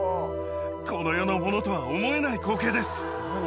この世のものとは思えない光景です。